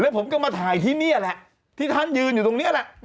ผมก็มาถ่ายที่นี่แหละที่ท่านยืนอยู่ตรงนี้แหละ